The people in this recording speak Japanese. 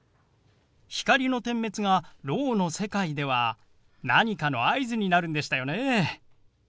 光の点滅がろうの世界では何かの合図になるんでしたよね。